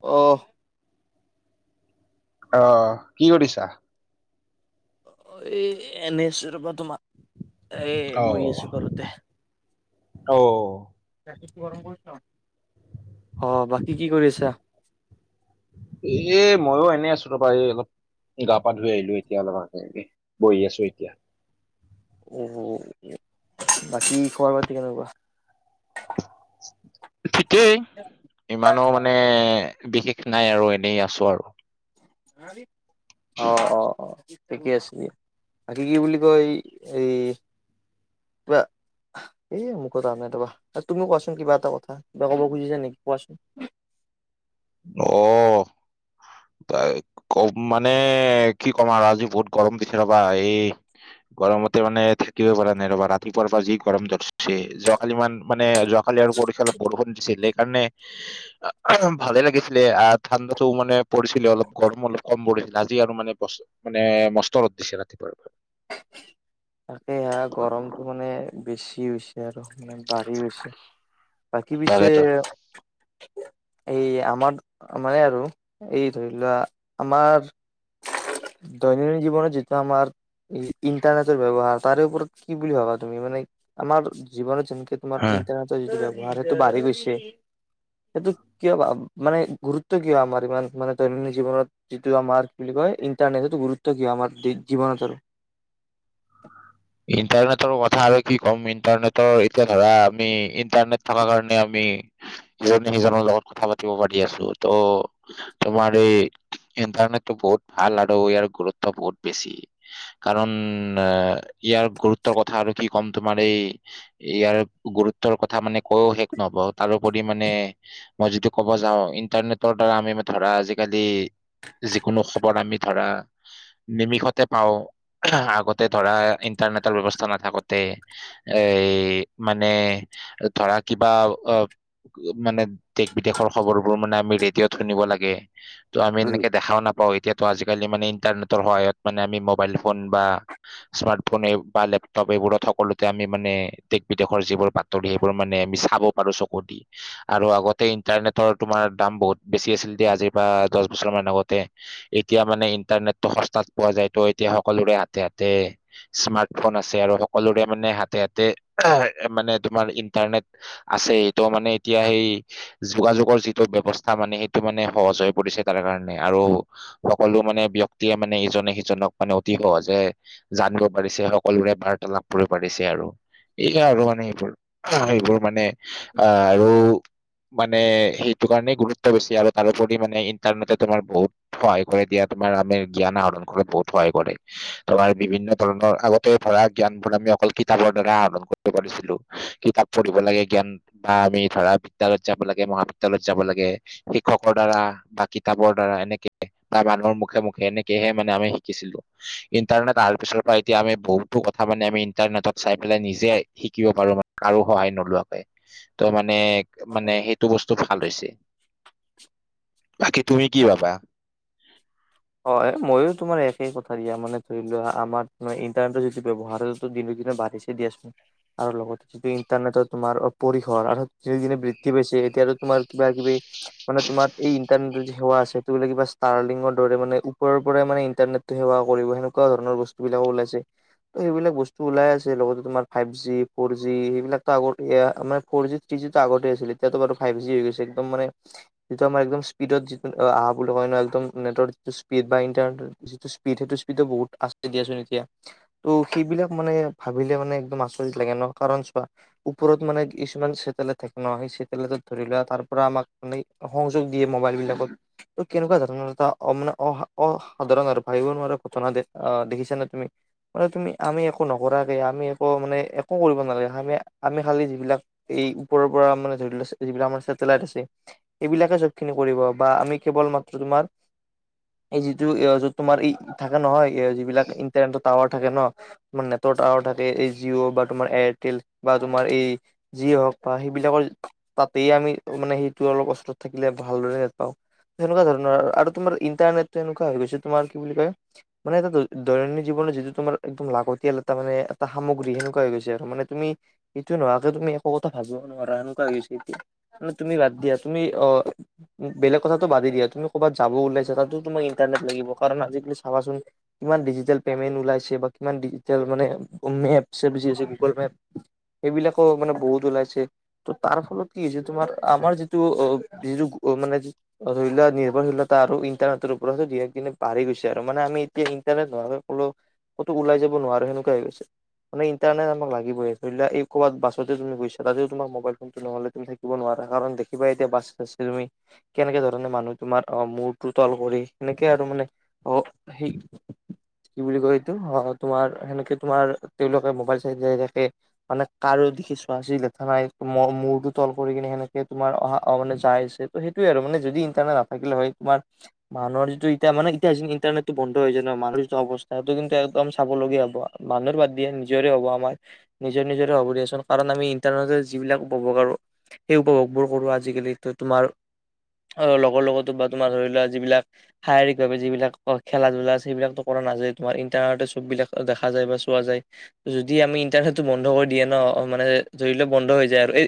অ অহ, কি কৰিছা? অ এই, এনে আছো ৰবা তোমা। এ' অ বহি আছোঁ ঘৰতে। অ অ', বাকী কি কৰি আছা? এ ময়ো এনেই আছো ৰবা এই অলপ গা পা ধুই আহিলো এতিয়া অলপ আগতে, বহি আছো এতিয়া। অউ, বাকী খবৰ পাতি কেনেকুৱা? ঠিকেই। ইমানো মানে বিশেষ নাই আৰু এনেই আছো আৰু অ, অ, অ। ঠিকে আছে দিয়া বাকী কি বুলি কয়ই এই কিবা [unintelligible] [unintelligible] [unintelligible] তুমি কোৱাচোন কিবা এটা কথা কিবা ক'ব খুজিছা নেকি কোৱাচোন অ কম মানে কি ক'ম আউ আজি বহুত গৰম দিছে ৰবা এই গৰমতে মানে থাকিবই পৰা নাই ৰবা ৰাতিপুৱাৰ পৰা যি গৰম ধৰিছে যোৱাকালি মান মানে যোৱা কালি আৰু পৰিখলে বৰষুণ দিচিল সেইকাৰণে ভালে লাগিছিলে আ ঠাণ্ডাটো মানে পৰিছিলে অলপ গৰম অলপ কম পৰিল আজি আৰু মানে বছ মানে মষ্ট ৰ'দ দিছে ৰাতিপুৱাৰ পৰা [inaudible] এয়া গৰমটো মানে বেছি হৈছে আৰু মানে বাঢ়ি গৈছে বাকী পিছে ইণ্টাৰনেটৰ এই আমাৰ আমাৰে আৰু এই ধৰি লোৱা আমাৰ দৈনন্দিন জীৱনত যিটো আমাৰ ই ইন্টাৰনেটৰ ব্যৱহাৰ তাৰে ওপৰত কি বুলি ভাবা তুমি মানে আমাৰ জীৱনত যেনকে তোমাৰ হা ইন্টাৰ যিটো ভাৰাটো বাঢ়ি গৈছে সেইটো কিয়বা মানে গুৰুত্ব কিয় আমাৰ ইমান মানে দৈনন্দিন জীৱনত যিটো আমাৰ কি বুলি কয় ইণ্টাৰনেট এইটো গুৰুত্ব কিয় আমাৰ যি জীৱনত আৰু [inaudible] ইণ্টাৰনেটৰ কথা আৰু কি ক'ম ইণ্টাৰনেটৰ এতিয়া ধৰা আমি ইণ্টাৰনেট থকা কাৰণে আমি ইজনে সিজনৰ লগত কথা পাতিব পাৰি আছো ত' তোমাৰ এই ইণ্টাৰনেটটো বহুত ভাল আৰু ইয়াৰ গুৰুত্ব বহুত বেছি কাৰণ আ ইয়াৰ গুৰুত্বৰ কথা আমি কি ক'ম তোমাৰ এই ইয়াৰ গুৰুত্বৰ কথা মানে কৈও শেষ নহব তাৰোপৰি মানে মই যিটো কব যাওঁ ইণ্টাৰনেটৰ দ্বাৰা আমি ধৰা আজিকালি যিকোনো খবৰ আমি ধৰা নিমিষতে পাওঁ আগতে ধৰা ইণ্টাৰনেটৰ ব্যৱস্থা নাথাকোতে এই মানে ধৰা কিবা অ কত মানে দেশ বিদেশৰ খবৰবোৰ মানে আমি ৰেডিঅত শুনিব লাগে ত' আমি এনেকে দেখাও নাপাও এতিয়া ত আজিকালি মানে ইণ্টাৰনেটৰ সহায়ত মানে আমি মোবাইল ফোন বা স্মাট ফোনে বা লেপটপ এইবোৰত সকলোতে আমি মানে দেশ বিদেশৰ যিবোৰ বাতৰি সেইবোৰ মানে আমি চাব পাৰু চকু দি আৰু আগতে ইণ্টাৰনেটৰ তোমাৰ দাম বহুত বেছি আছিল দি আজিৰ পৰা দহ বছৰ মান আগতে এতিয়া মানে ইণ্টাৰনেটটো সস্তাত পোৱা যায় তো এতিয়া সকলোৰে হাতে হাতে স্মাৰ্ট ফোন আছে আৰু সকলোৰে মানে হাতে হাতে মানে তোমাৰ ইণ্টাৰনেট আছে তো মানে এতিয়া সেই যোগাযোগৰ যিটো ব্যৱস্থা মানে সেইটো মানে সহজ হৈ পৰিছে তাৰ কাৰণে আৰু। সকলো মানে ব্যক্তিয়ে মানে ইজনে সিজনক মানে অতি সহজে জানিব‌, পাৰিছে সকলোৰে বাৰ্তালাপ কৰিব পাৰিছে আৰু এই যে আৰু মানে এইবোৰ এইবোৰ মানে আৰু মানে সেইটো কাৰণে গুৰুত্ব বেছি আৰু তাৰওপৰি মানে ইণ্টাৰনেটে তোমাৰ বহুত সহায় কৰে দিয়া তোমাৰ কাৰণে জ্ঞান আহৰণ কৰাত বহুত সহায় কৰে তোমাৰ বিভিন্ন আগতে ধৰা জ্ঞানবোৰ আমি অকল কিতাপৰ দ্বাৰা আহৰণ কৰিব পাৰিছিলোঁ কিতাপ পঢ়িব লাগে জ্ঞান, বা আমি ধৰা বিদ্যালয়ত যাব লাগে মহাবিদ্যালয়ত যাব লাগে শিক্ষকৰ দ্বাৰা বা কিতাপৰ দ্বাৰা এনেকে বা মানুহৰ মুখে মুখে এনেকেহে মানে আমি শিকিছিলোঁ ইণ্টাৰনেট অহাৰ পিছত প্ৰায় এতিয়া আমি বহুতো কথা মানে আমি ইন্টাৰনেটত চাই পেলাই নিজে শিকিব পাৰো মানে কাৰো সহায় নোলোৱাকে তো মানে মানে সেইটো বস্তু ভাল হৈছে, বাকী তুমি কি ভাবা? অ মইও তোমাৰ একে কথা দিয়া মানে ধৰি লোৱা আমাৰ ইণ্টাৰনেটৰ যিটো ব্যৱহাৰটো দিনে দিনে বাঢ়িছে। দি আছোঁ আৰু লগতে যিটো ইণ্টাৰনেটৰ তোমাৰ পৰিসৰ আৰু দিনে দিনে বৃদ্ধি পাইছে এতিয়াটো তোমাৰ কিবা কিবি মানে তোমাৰ এই ইন্টাৰনেটৰ যি সেৱা আছে সেটো বোলে কিবা ষ্টাৰলিংকৰ ৰে মানে ওপৰৰ পৰাই মানে ইন্টনেটটো সেৱা কৰিব সেনেকুৱা ধৰণ বস্তুবিলাকো ওলাইছে। ত সেইবিলাক বস্তু ওলাই আছে লগতে তোমাৰ ফাইব জি ফ'ৰ জি সেইবিলাকটো আগত এয়া মানে ফ'ৰ জি জি টো আগতে আছিলে এতিয়াতো বাৰু ফাইব জি হৈ গৈছে একদম মানে যিটো আমাৰ একদম স্পীডত যিটো অ আহা বুলি ক না একদম নেটৰ স্পীড বা ইটাৰনেট যিটো স্পীড সেইটো স্পীডো বহুত আছে দিয়াচোন এতিয়া ত' সেইবিলাক মানে ভাবিলে মানে একদম আচৰিত লাগে ন কাৰণ চোৱা ওপৰত মানে কিছুমান চেটেলাইট থাকে ন সেই চেটেলাইটত ধৰি লোৱা তাৰ পৰা আমাক আনি সংযোগ দিয়ে মোবাইল বিলাকত ত' কেনেকুৱা ধৰণৰ এটা অ মানে অ অসাধাৰণ আৰু ভাবিব নোৱাৰা ঘটনা দে আহ দেখিছা নে তুমি মানে তুমি আমি একো নকৰাকৈ আমি একো মানে একো কৰিব নালাগে আমি আমি খালি যিবিলাক এই ওপৰৰ পৰা মানে ধৰি লোৱা যিবিলাক আমাৰ ছেটেলাইট আছে এইবিলাকে চবখিনি কৰিব বা আমি কেৱল মাত্ৰ তোমাক এই যিটো এ যত তোমাৰ এই থাকে নহয় এ যিবিলাক ইন্টাৰনেটৰ টাৱাৰ থাকে ন তোমাৰ নেটৰ টাৱাৰ থাকে এই জিঅ' বা তোমাৰ এয়াৰটেল বা তোমাৰ এই যিয়ে হওক বা সেইবিলাকৰ তাতেই আমি মানে সেইটো অলপ কষ্টত থাকিলে ভালদৰে নাপাওঁ। সেনেকুৱা ধৰণৰ আৰু তোমাৰ ইণ্টাৰনেট তেনেকুৱা হৈ গৈছে তোমাৰ কি বুলি কয় মানে এটা দৈনন্দিন জীৱনত যিটো তোমাৰ একদম লাগতিয়াল এটা মানে এটা সামগ্ৰী সেনেকুৱা হৈ গৈছে আৰু মানে তুমি সেইটো নোহোৱাকে তুমি একো কথা ভাবিব নোৱাৰা এনেকুৱা হৈ গৈছে এতিয়া ন তুমি বাদ দিয়া তুমি অ বেলেগ কথাটো বাদে দিয়া তুমি ক'ৰবাত যাব ওলাইছা তাতো তোমাক ইণ্টাৰনেট লাগিব কাৰণ আজিকালি চাবাচোন কিমান ডিজিটেল পেমেণ্ট ওলাইছে বা কিমান ডিজিটেল মানে মেপ ছেপ যি আছে গুগল মেপ এইবিলাকো মানে বহুত ওলাইছে ত তাৰ ফলত কি হৈছে তোমাৰ আমাৰ যিটো অ যিটো মানে ধৰিলোৱা নিৰ্ভৰশীলতা আৰু ই ইন্টাৰনেটৰ ওপৰতে দিয়ে কিন্তু বাঢ়ি গৈছে আৰু মানে আমি এতিয়া ইন্টাৰনেট ব্যৱহাৰ কৰোঁ। কতো ওলাই যাব নোৱাৰে সেনেকুৱাই হৈ গৈছে। মান ইণ্টাৰনেট আমাক লাগিবই ধৰিলোৱা এই ক'ৰবাত বাছতে তুমি গৈছা তথাপিও তোমাক মোবাইল ফোনটো নহলে তুমি থাকিব থাকিব নোৱাৰা কাৰণ দেখিবা এতিয়া বাছে বাছে তুমি কেনেকা ধৰণে মানুহ তোমাৰ অ মোৰ তোটেল কৰি সেনেকে আৰু মানে অ সেই কি বুলি কয় এইটো তোমাৰ সেনেকে তোমাৰ তেওঁলোকে মোবাইল চাই চাই থাকে। মানে কাৰো দেখি ছোৱা চুই লেঠা নাই মূৰটো তল কৰি কিনে সেনেকে তোমাৰ অহা অ মানে যাই আছে। ত' সেইটোৱে আৰু মানে যদি ইণ্টাৰনেট নথাকিলে কিমান মানুহ যিটো এতিয়া মানে এতিয়া ইণ্টাৰনেটো বন্ধ হৈ যায় নহয় মানুহৰ যিটো অৱস্থা সেইটো কিন্তু একদম চাবলগীয়া হ'ব আ মানুহৰ বাদ দিয়া নিজৰে হ'ব আমাৰ নিজৰ নিজৰে হ'ব দিয়াচোন কাৰণ আমি ইণ্টাৰনেটৰ যিবিলাক পাব পাৰো। সেই উপভোগবোৰ কৰো আজিকালি তোমাৰ লগৰ লগতো বা তোমাৰ ধৰি লোৱা। যিবিলাক শাৰীৰিকভাৱে যিবিলাক খেলা ধূলা আছে সেইবিলাকটো কৰা নাযায় তোমাৰ ইণ্টাৰনেটতে চববিলাক দেখা যায় বা চোৱা যায়। যদি আমি ইণ্টাৰনেটটো বন্ধ কৰি দিয়ে ন মানে ধৰি লও বন্ধ হৈ যায় আৰু এই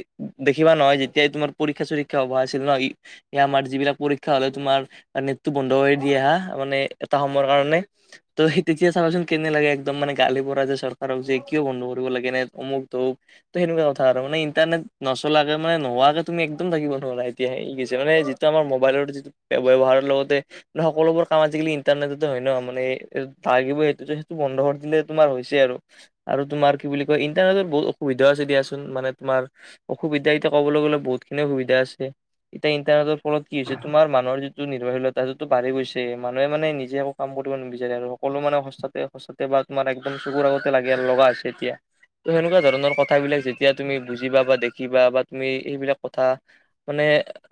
দেখিবা নহয় যেতিয়াই তোমাৰ পৰীক্ষা চৰীক্ষা হব আছিল ন আমাৰ যিবিলাক পৰীক্ষা হলে তোমাৰ নেটটো বন্ধ কৰি দিয়ে হা মানে এটা সময়ৰ কাৰণে ত সেই তেতিয়া চাবাচোন কেনে লাগে একদম মানে গালি পৰা যে চৰকাৰক যে কিয় বন্ধ কৰিব লাগে নেট অমুক তমুক ত সেনেকুৱা কথা আৰু মানে ইণ্টাৰনেট নচলাকে মানে নোহোৱাকে তুমি একদম থাকিব নোৱাৰা এতিয়াই ই গেছে মানে ত আমাৰ মোবাইলৰ যিটো ব্যৱহাৰৰ লগতে ন সকলো বোৰ কাম আজিকালি ইণ্টাৰনেটতে হয় ন মানে লাগিবই সেইটো সেইটো বন্ধ কৰি দিলে তোমাৰ হৈছে আৰু আৰু তোমাৰ কি বুলি কয় ইণ্টাৰনেটৰ বহুত অসুবিধাও আছে দিয়াচোন মানে তোমাৰ অসুবিধা এতিয়া ক'বলৈ গলে বহুত খিনি অসুবিধা আছে এতিয়া ইন্টাৰনেটৰ ফলত কি হৈছে তোমাৰ মানুহৰ যি নিভৰশীলতা এইটো বাঢ়ি গৈছে মানুহে মানে নিজে একো কাম কৰিব নিবিচাৰে আৰু সকলো মানে সস্তাতে সস্ত টাতে বা তোমাৰ একদম চকুৰ আগতে লাগে আৰু লগা আছে এতিয়া ত সেনেকুৱা ধৰণৰ কথা বিলাক যেতিয়া তুমি বুজিবা বা দেখিবা বা তুমি এইবিলাক কথা মানে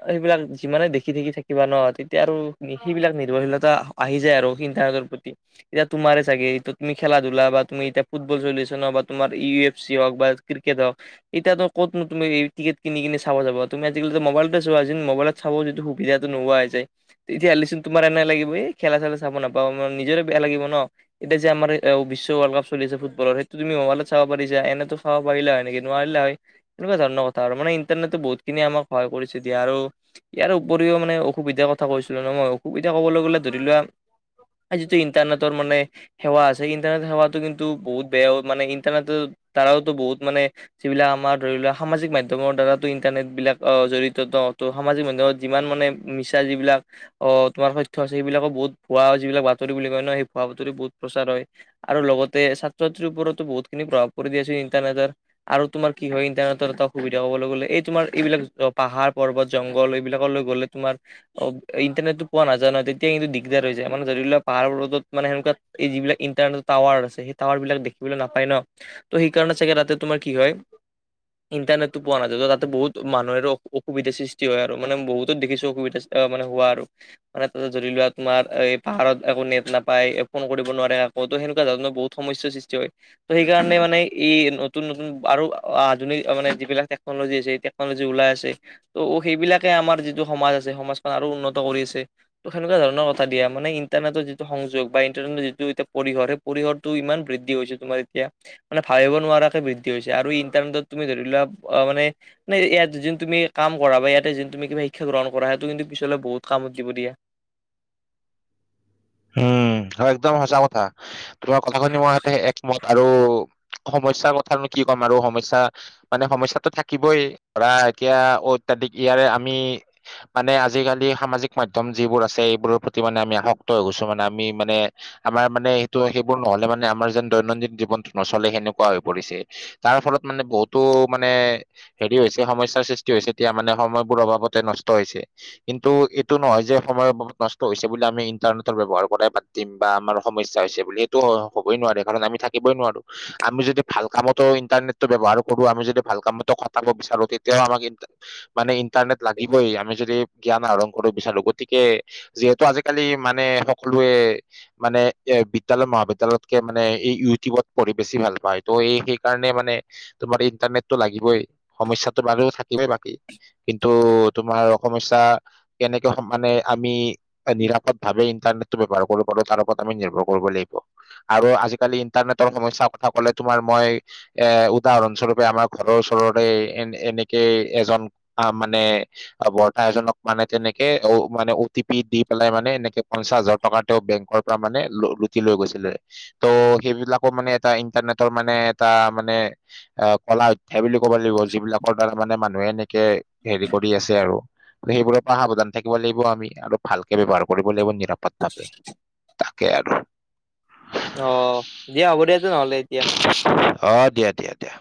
সেইবিলাক যিমানে দেখি দেখি থাকিবা ন তেতিয়া আৰু সেইবিলাক নিৰ্ভৰশীলতা আহি যায় আৰু সিধাৰতৰ প্ৰতি এতিয়া তোমাৰে চাগে এইটো তুমি খেলা ধূলা বা তুমি এতিয়া ফুটবল চল্যশন হ বা তোমাৰ ই এফ চি হওক বা ক্ৰিকেট হক এতিয়াটো ক'তনো তুমি এই টিকট কিনি চাবা তুমি আজিকালি মোবলতে চা মোবাইলত চাব যদিটো সুবিধাটো নোহোৱা হৈ যায় তেতিয়া হলেচোন তোমাৰ এনাই লাগিব এই খেলা চেলা চাব নাপাও মানে নিজৰে বেয়া লাগিব ন এতিয়া যে আমাৰ অ বিশ্ব ৱৰ্ল্ড কাপ চলি আছে ফুতবলৰ সেইটো তুমি হবাল চাব পাৰিছা এনেটো খাব পাৰিলা হয় নেকি। নোৱাৰিলে হয় তেনেকুৱা ধৰণৰ কথা আৰু মানে ইণ্টাৰনেট বহুত খিনি আমাক স কৰিছে দিয়া আৰু ইয়াৰ উপৰিও মানে অসুবিধাৰ কথা কৈছিলো ন মই অসুবিধা কবলৈ গ'লে ধৰি লোৱা। আজি ত ইন্তানেটৰ মানে সেৱা আছে ইণ্টাৰনেট সেৱাতটো কিন্তু বহুত বেয়া মানে ইণ্টাৰনেটৰ তাৰাও বহুত মানে যিবিলাক আমাৰ ধৰি লোৱা সামাজিক মাধ্যমৰ দ্বাৰা ইন্টাৰনেট বিলাক অ জড়িত ন ত সামাজিক মাধ্যমত যিমান মানে মিছা যিবিলাক অ তোমাৰ তথ্য আ সেইবিলাকক বহুত ভুৱা যিবাক বাতৰি বুলি কয় ন সেই ভুৱা বাতৰি বহুত প্ৰচাৰ হয়। আৰু লগতে ছাত্ৰ ছাত্ৰীৰ ওপৰতো বহুত খিনি প্ৰভাৱ পৰি দিয়াছিল ইণ্টাৰনেটৰ আৰু তোমাৰ কি হয় ইন্টাৰনেটৰ এটা সুবিধা কবলৈ গ'লে এই তোমাৰ এইবিলাক পাহাৰ পৰ্বত জংঘল এইবিলাক লৈ গ'লে। তোমাৰ অ ইণ্টাৰনেটটো পোৱা নাজানো তেতিয়া কিন্তু দিগদাৰ হৈ যায় মানে ধৰি লোৱা পাহাৰ ৰডত মানে সেনেকুৱা এই যিবিলাক ইণ্টাৰনেট টাৱাৰ আছে সেই টাৱাৰ বিলাক দেখিবলৈ নাপায় ন তো সেইকাৰণে চাগে ৰাতে তোমাৰ কি হয়। ইণ্টাৰনেটটো পোৱা নাযায় তাতে বহুত মানুহৰ অসুবিধা সৃষ্টি হয় আৰু মানে বহুত দেখিছো অসুবিধা অ মানে হোৱা আৰু মানে তাতে জদি লোৱা তোমাৰ এ পাহাৰত একো নেট নাপায় ফোন কৰিব নোৱাৰে। সেনেকুৱা ধৰণৰ বহু সমস্যাৰ সৃষ্টি হয় ত সেইকাৰণে মানে ই নতুন নতুন আৰু আধুনিক মানে যিবিলাক টেকনলজি আছে এতিয়া ওলাই আছে ত' সেইবিলাকে আমাৰ যিটো সমাজ আছে সমাজখন আৰু উন্নত কৰি আছে ত সেনেকুৱা ধৰণৰ কথা দিয়া মানে ইণ্টাৰনেটৰ যিটো সংযোগ বা ইণ্টাৰনেটৰ যিটো এতিয়া পৰিহৰ পৰিসৰটো ইমান বৃদ্ধি হৈছে তোমাৰ এতিয়া মানে ভাবিব নোৱাৰাকে বৃদ্ধি হৈছে আৰু ইণ্টাৰনেটত তুমি ধৰি লোৱা অ মানে ইয়াত যোন তুমি কাম কৰা বা ইয়াতে যোন তুমি কিবা শিক্ষা গ্ৰহণ কৰা সেইটো কিন্তু পিছলৈ বহুত কামত দিব দিয়া উম একদম সঁচা কথা তোমাৰ কথা শুনি মই তে একমত আৰু সমস্যাৰ কথানো কি ক'ম আৰু সমস্যা মানে সমস্যাটো থাকিবই ধৰা এতিয়া অ অত্যাধিক ইয়াৰে আমি মানে আজিকালি সামাজিক মাধ্যম যিবোৰ আছে এইবোৰৰ প্ৰতি মানে আমি আহক ত গৈছো মানে আমি মানে আমাৰ মানে সেইটো সেইবোৰ নহলে মানে আমাৰ যেন দৈনন্দিন জীৱনটো নচলে সেনেকুৱা হৈ পৰিছে তাৰ ফলত মানে বহুতো মানে হেৰি হৈছে সমস্যাৰ সৃষ্টি হৈছে এতিয়া মানে সময়বোৰ অভাৱতে নষ্ট হৈছে কিন্তু এইটো নহয় যে সময় বহুত নষ্ট হৈছে বুলি আমি ইটাৰনেটৰ ব্যৱহাৰ কৰাই বাদ দিম বা আমাৰ সমস্য হৈছে বুলি এইটো হ'বই নোৱাৰে কাৰণ আমি থাকিবই নোৱাৰো আমি যদি ভাল কামতো ইণ্টাৰনেট ব্যৱহাৰ কৰো আমি যদি ভাল কাম এটা খটাব বিচাৰো তেতিয়াও আমাক মানে ইণ্টাৰনেট লাগিবই আমি যদি জ্ঞান আহৰণ কৰিব বিচাৰো গতিকে যিহেতু আজিকালি মানে সকলোৱে মানে এ বিদ্যালয় মহাবিদ্যালয়তকে মানে এই ইউটিউবত পঢ়ি বেছি ভাল পায় ত' এই সেইকাৰণে মানে তোমাৰ ইণ্টাৰনেটটো লাগিবই সমস্যাটো বাৰু থাকিবই বাকী কিন্তু তোমাৰ সমস্যা কেনেকে মানে আমি নিৰাপদ ভাবে ইণ্টাৰনেটটো ব্যৱহাৰ কৰিব পাৰো তাৰ ওপৰত আমি নিৰ্ভৰ কৰিব লাগিব আৰু আজিকালি ইন্টাৰনেটৰ সমস্যাৰ কথা ক'লে তোমাৰ মই এ উদাহৰণ স্বৰূপে আমাৰ ঘৰৰ ওচৰৰে এ এনেকে এজন অ' মানে বৰ্তা এজনক মানে তেনেকে অ' মানে অ টি পি দি পেলাই মানে এনে পঞ্চাশ হাজাৰ টকা তেওঁ বেংকৰ পৰা মানে লুটি লৈ গৈছিলে ত' সেইবিলাকো মানে এটা ইণ্টাৰনেটৰ মানে এটা মানে এ' কলা সেই বুলি ক'ব লাগিব যিবিলাকৰ দ্বাৰা মানে মানুহে এক হেৰি কৰি আছে আৰু সেইবোৰৰ পৰা সাৱধান থাকিব লাগিব আমি আৰু ভালকে ব্যৱহাৰ কৰিবলৈ নিৰাপদ তাকে আৰু অ' দিয়া হ'ব দিয়া তেনেহলে এতিয়া অ' দিয়া দিয়া দিয়া